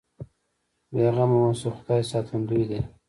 بې غمه اوسه خدای ساتندوی دی.